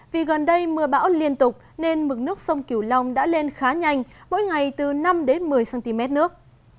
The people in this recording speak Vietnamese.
vì gần đây mưa bão liên tục nên mực nước sông kiều long đã lên khá nhanh mỗi ngày từ năm đến một mươi cm nước